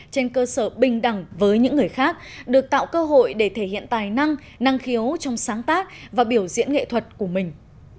trên cơ sở bình đẳng với những người khác được tạo cơ hội để thể hiện tài năng năng khiếu trong sáng tác và biểu diễn nghệ thuật của mình